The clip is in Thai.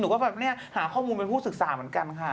หนูหาข้อมูลเป็นผู้ศึกษาเหมือนกันค่ะ